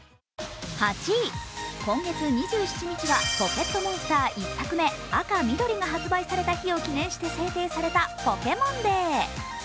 今月２７日は「ポケットモンスター」１作目、「赤・緑」が発売された日を記念して制定されたポケモンデー。